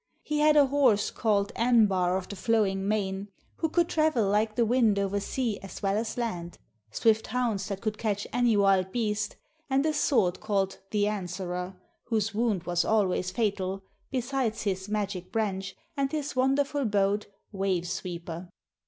He had a horse called Enbarr of the Flowing Mane, who could travel like the wind over sea as well as land, swift hounds that could catch any wild beast, and a sword called The Answerer, whose wound was always fatal, besides his Magic Branch and his wonderful boat, Wave Sweeper.